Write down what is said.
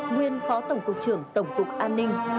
nguyên phó tổng cục trưởng tổng cục an ninh